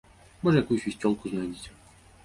Можа, якую свісцёлку знойдзеце.